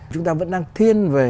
chúng ta vẫn đang thiên về